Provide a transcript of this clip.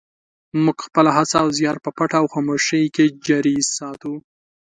موږ خپله هڅه او زیار په پټه او خاموشۍ کې جاري ساتو.